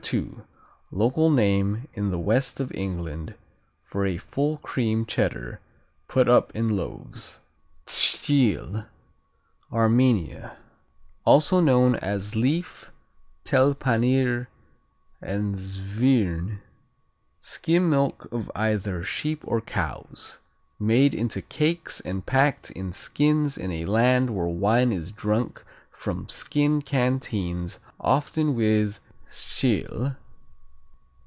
II: Local name in the West of England for a full cream Cheddar put up in loaves. Tschil Armenia Also known as Leaf, Telpanir and Zwirn. Skim milk of either sheep or cows. Made into cakes and packed in skins in a land where wine is drunk from skin canteens, often with Tschil.